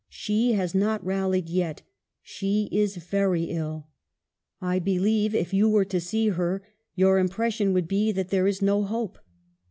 She has not rallied yet. She is very ill. I believe if you were to see her your impression would be that there is no hope.